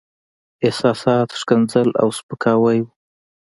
احساسات، ښکنځل او سپکاوي وو.